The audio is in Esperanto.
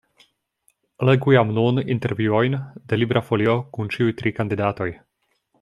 Legu jam nun intervjuojn de Libera Folio kun ĉiuj tri kandidatoj.